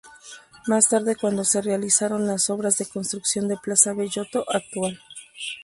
Más tarde cuando se realizaron las obras de construcción del Plaza Belloto actual.